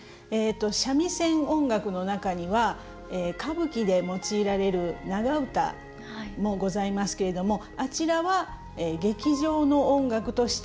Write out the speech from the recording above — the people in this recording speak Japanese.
三味線音楽の中には歌舞伎で用いられる長唄もございますけれどもあちらは劇場の音楽として発展したものでございます。